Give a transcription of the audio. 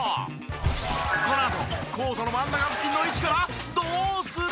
このあとコートの真ん中付近の位置からどうする！？